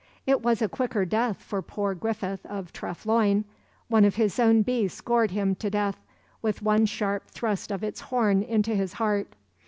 It was a quicker death for poor Griffith of Treff Loyne—one of his own beasts gored him to death with one sharp thrust of its horn into his heart.